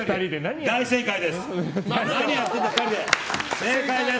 大正解です。